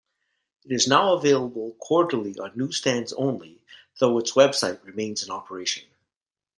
It is now available quarterly on newsstands only, though its website remains in operation.